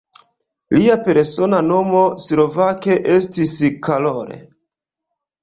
Lia persona nomo slovake estis "Karol".